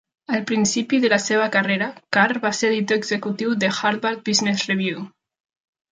Al principi de la seva carrera, Carr va ser editor executiu de "Harvard Business Review".